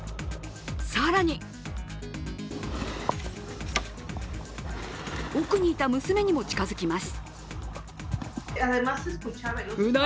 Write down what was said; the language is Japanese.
更に奥にいた娘にも近づきます。